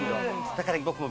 だから僕も。